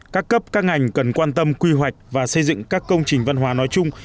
các cấp các ngành cần quan tâm quy hoạch và xây dựng các công trình văn hóa nói chung